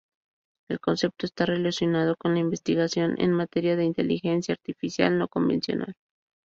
El concepto está relacionado con la investigación en materia de Inteligencia artificial no convencional.